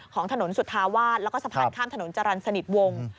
ของถนนสุธาวาสแล้วก็สะพานข้ามถนนจรรย์สนิทวงศ์